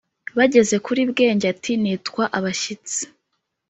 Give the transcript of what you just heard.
bageze kuri bwenge ati "nitwa abashyitsi.